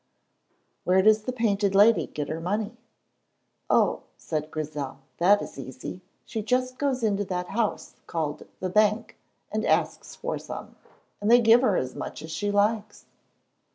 "Where does the Painted Lady get her money?" "Oh," said Grizel, "that is easy. She just goes into that house called the bank, and asks for some, and they give her as much as she likes."